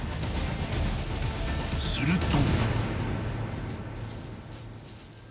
［すると］